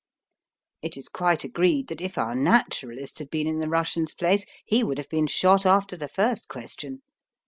It is quite agreed that if our Naturalist had been in the Russian's place he would have been shot after the first question.